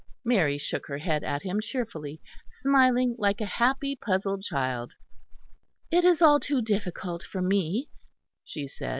Mary shook her head at him cheerfully, smiling like a happy, puzzled child. "It is all too difficult for me," she said.